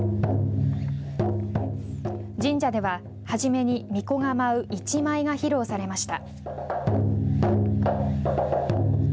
神社では初めにみこが舞う伊智舞が披露されました。